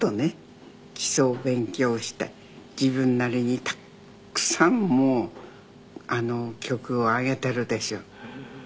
基礎を勉強して自分なりにたくさんもう曲を上げているでしょ